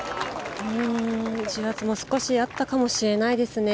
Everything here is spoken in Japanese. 重圧も少しあったかもしれないですね。